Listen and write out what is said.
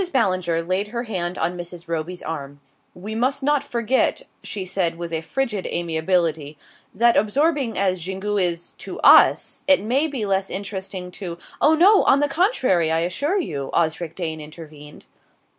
Ballinger laid her hand on Mrs. Roby's arm. "We must not forget," she said with a frigid amiability, "that absorbing as Xingu is to us, it may be less interesting to " "Oh, no, on the contrary, I assure you," Osric Dane intervened.